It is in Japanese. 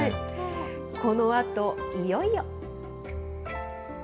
このあと、いよいよ。